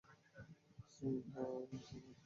Simba এই অবস্থায় লড়তে পারবে না।